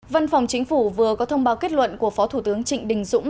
văn phòng chính phủ vừa có thông báo kết luận của phó thủ tướng trịnh đình dũng